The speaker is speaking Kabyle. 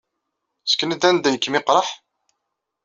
Ssken-d anda i kem-iqerreḥ.